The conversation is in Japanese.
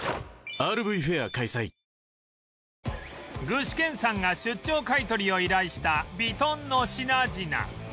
具志堅さんが出張買取を依頼したヴィトンの品々